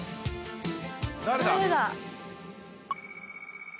誰だ？